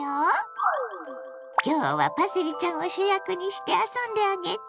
今日はパセリちゃんを主役にして遊んであげて！